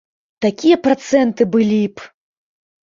Такія працэнты былі б!